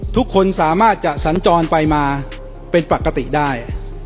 ทุกคนสามารถจะสัญจรไปมาเป็นปกติได้